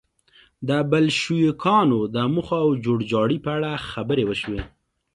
د بلشویکانو د موخو او جوړجاړي په اړه خبرې وشوې